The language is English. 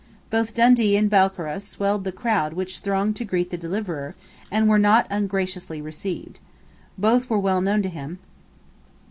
Both Dundee and Balcarras swelled the crowd which thronged to greet the deliverer, and were not ungraciously received. Both were well known to him.